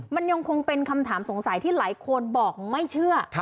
มันยังคงเป็นคำถามสงสัยที่หลายคนบอกไม่เชื่อ